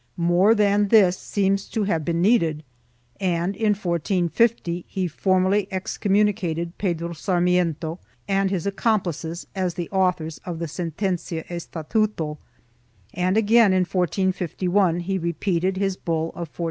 1 More than this seems to have been needed and, in 1450, he formally excommunicated Pedro Sar miento and his accomplices as the authors of the Sentencia Estatuto and again, in 1451, he repeated his bull of 1449.